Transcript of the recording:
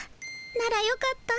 ならよかった。